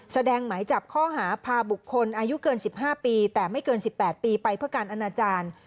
หมายจับข้อหาพาบุคคลอายุเกิน๑๕ปีแต่ไม่เกิน๑๘ปีไปเพื่อการอนาจารย์